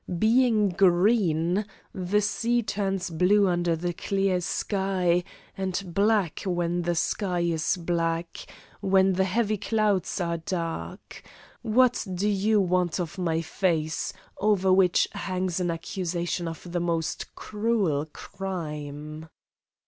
Being green, the sea turns blue under the clear sky and black when the sky is black, when the heavy clouds are dark. What do you want of my face, over which hangs an accusation of the most cruel crime?"